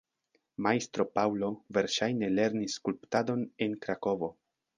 Majstro Paŭlo verŝajne lernis skulptadon en Krakovo.